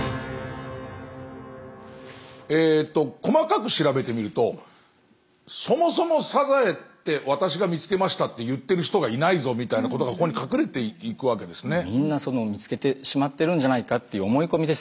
えと細かく調べてみるとそもそもサザエって私が見つけましたって言ってる人がいないぞみたいなことがここに隠れていくわけですね。